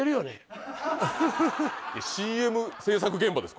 ＣＭ制作現場です